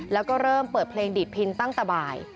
แล้วก็เริ่มเปิดเพลงดีดพินตั้งแต่บ่าย